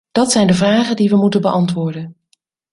Dat zijn de vragen die we moeten beantwoorden.